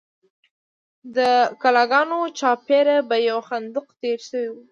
د کلاګانو چارپیره به یو خندق تیر شوی و.